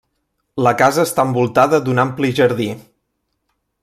La casa està envoltada d'un ampli jardí.